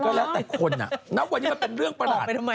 ก็แล้วแต่คนณวันนี้มันเป็นเรื่องประหลาด